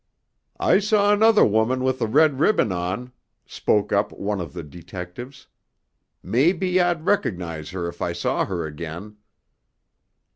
"I saw another woman with the red ribbon on," spoke up one of the detectives. "Maybe I'd recognize her if I saw her again."